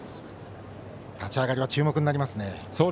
立ち上がりは注目になりますね。